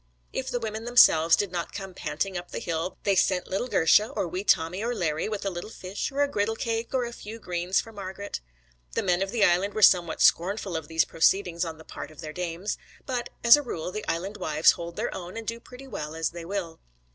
If the women themselves did not come panting up the hill they sent the little girsha, or wee Tommy or Larry, with a little fish, or a griddle cake, or a few fresh greens for Margret. The men of the Island were somewhat scornful of these proceedings on the part of their dames; but as a rule the Island wives hold their own and do pretty well as they will.